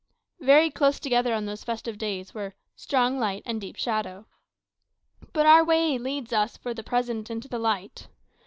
Very close together on those festive days were "strong light and deep shadow." But our way leads us, for the present, into the light.